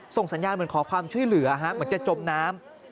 สัญญาณเหมือนขอความช่วยเหลือเหมือนจะจมน้ำ